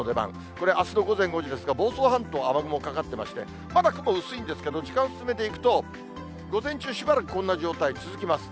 これ、あすの午前５時ですが、房総半島、雨雲かかってまして、まだ雲薄いんですけど、時間進めていくと、午前中、しばらくこんな状態続きます。